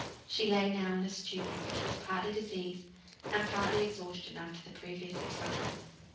She lay now in a stupor, which was partly disease, and partly exhaustion after the previous excitement.